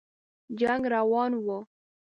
جنګ روان وو.